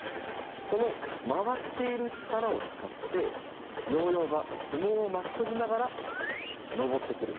このまわっているちからをつかってヨーヨーがひもをまきとりながらのぼってくる。